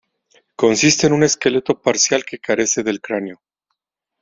Consiste en un esqueleto parcial que carece del cráneo.